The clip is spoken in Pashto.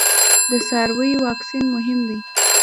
د څارویو واکسین مهم دی